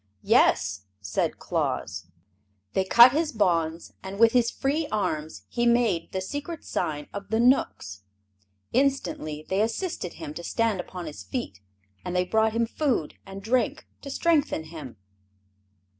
"Yes," said Claus. They cut his bonds, and with his free arms he made the secret sign of the Knooks. Instantly they assisted him to stand upon his feet, and they brought him food and drink to strengthen him.